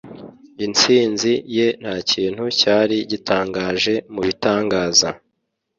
Intsinzi ye ntakintu cyari gitangaje mubitangaza.